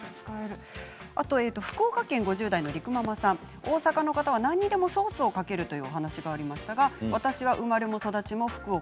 福岡県５０代の方大阪の方は何にでもソースをかけるという話がありましたが私は生まれも育ちも福岡。